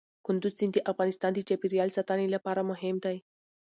کندز سیند د افغانستان د چاپیریال ساتنې لپاره مهم دی.